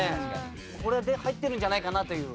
これで入ってるんじゃないかなという。